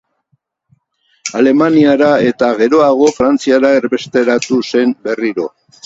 Alemaniara eta, geroago, Frantziara erbesteratu zen berriro.